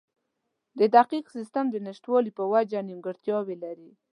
د دقیق سیستم د نشتوالي په وجه نیمګړتیاوې لري.